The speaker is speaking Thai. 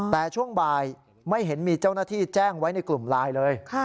แต่ช่วงบ่ายไม่เห็นมีเจ้าหน้าที่แจ้งไว้ในกลุ่มไลน์เลย